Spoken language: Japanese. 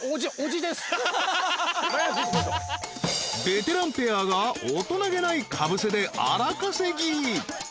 ［ベテランペアが大人げないかぶせで荒稼ぎ］